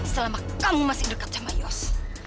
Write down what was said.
selama kamu masih dekat sama yos